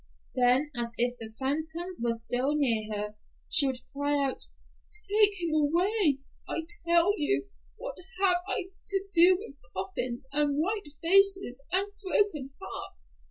Then, as if the phantom still were near her, she would cry out, "Take him away, I tell you! What have I to do with coffins, and white faces, and broken hearts?